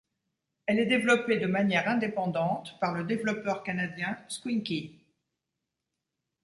Elle est développée de manière indépendante par le développeur canadien Squinky.